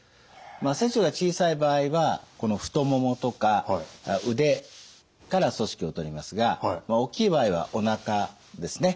切除が小さい場合はこの太ももとか腕から組織を取りますが大きい場合はおなかですね